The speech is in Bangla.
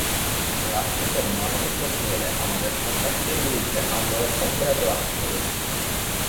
রাষ্ট্রকে মানবিক করতে হলে আমাদের সন্ত্রাসীদের বিরুদ্ধে আন্দোলন অব্যাহত রাখতে হবে।